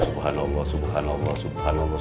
subhanallah subhanallah subhanallah